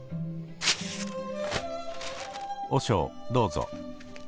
和尚どうぞ。